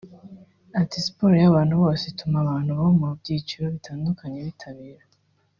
Ati "Siporo y’abantu bose ituma abantu bo mu byiciro bitandukanye bitabira